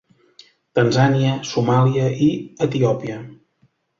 Tanzània, Somàlia i Etiòpia.